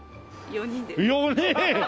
４人！